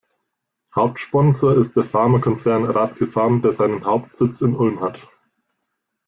Hauptsponsor ist der Pharmakonzern ratiopharm, der seinen Hauptsitz in Ulm hat.